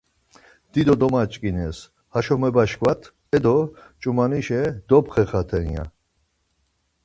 Dido domaç̌ǩindes haşo mebaşkvat edo, ç̌umanişe dopxerxaten ya.